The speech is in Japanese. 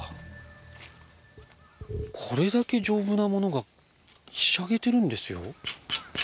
これだけ丈夫なものがひしゃげてるんですよ。